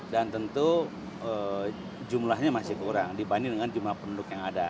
dan tentu jumlahnya masih kurang dibanding dengan jumlah penduduk yang ada